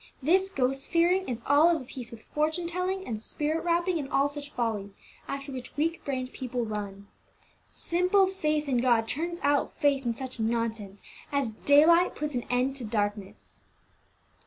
This ghost fearing is all of a piece with fortune telling, and spirit rapping, and all such follies, after which weak brained people run. Simple faith in God turns out faith in such nonsense, as daylight puts an end to darkness."